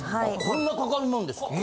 こんなかかるもんですか？